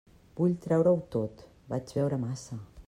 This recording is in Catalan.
Vull treure-ho tot: vaig beure massa.